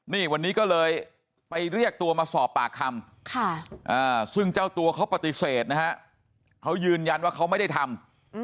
นี่วันนี้ก็เลยไปเรียกตัวมาสอบปากคำซึ่งเจ้าตัวเขาปฏิเสธนะฮะเขายืนยันว่าเขาไม่ได้ทำ